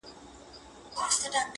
• په باطن کي وي تور مار په زړه ناولی -